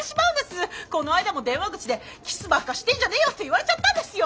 この間も電話口でキスばっかしてんじゃねえよって言われちゃったんですよ。